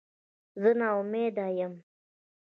زه نا امیده یم